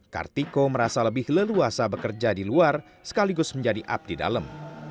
kartiko merasa lebih leluasa bekerja di luar sekaligus menjadi abdi dalam